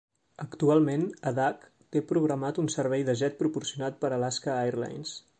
Actualment Adak té programat un servei de jet proporcionat per Alaska Airlines.